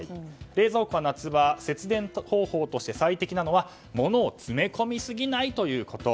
冷蔵庫は夏場、節電方法として最適なのは物を詰め込みすぎないこと。